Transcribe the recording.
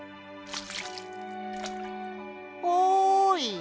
おい！